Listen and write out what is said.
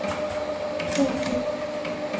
讳一武。